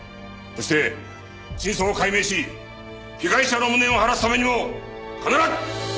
そして真相を解明し被害者の無念を晴らすためにも必ずホシを挙げる！